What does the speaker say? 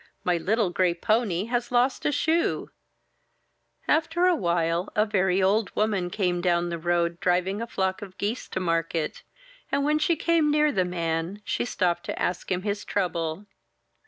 My little gray pony has lost a shoe!" 96 I N THE NURSERY After a while a very old woman came down the road, driving a flock of geese to market; and when she came near the man, she stopped to ask him his trouble.